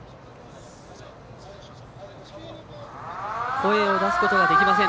声を出すことができません。